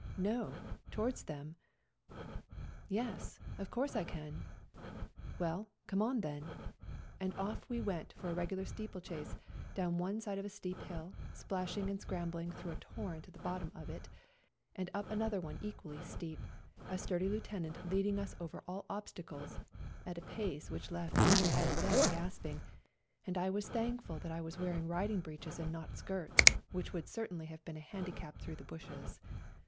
" No, towards them." " Yes, of course I can." " Well, come on then," and off we went 128 FIGHTING ON MOUNT CHUKUS for a regular steeplechase, down one side of a steep hill, splashing and scrambling through a torrent at the bottom of it and up another one equally steep, a sturdy lieu tenant leading us over all obstacles, at a pace which left even all of them gasping, and I was thankful that I was wearing riding breeches and not skirts, which would have certainly been a handicap through the bushes.